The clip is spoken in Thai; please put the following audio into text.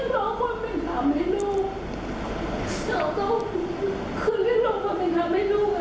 เราก็คือเรียกร้องความเป็นความให้ลูก